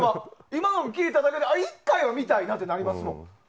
今の聞いただけで１回は見たいなと思いますもん。